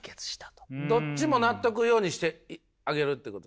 どっちも納得するようにしてあげるっていうこと。